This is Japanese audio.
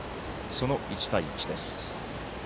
その１対１です。